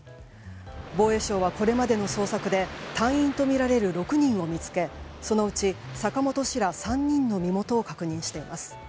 防衛省は、これまでの捜索で隊員とみられる６人を見つけそのうち坂本氏ら３人の身元を確認しています。